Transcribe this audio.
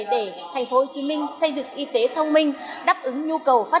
để tp hcm xây dựng y tế thông minh